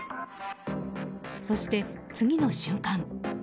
そして、次の瞬間。